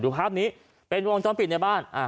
ภาพนี้เป็นวงจรปิดในบ้าน